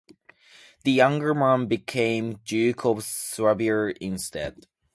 The younger man became Duke of Swabia instead.